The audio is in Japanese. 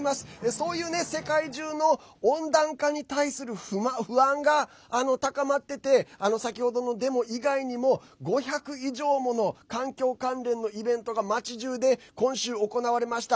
そういう世界中の温暖化に対する不安が高まってて先ほどのデモ以外にも５００以上もの環境関連のイベントが街じゅうで今週行われました。